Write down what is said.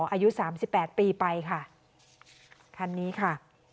อายุสามสิบแปดปีไปค่ะคันนี้ค่ะ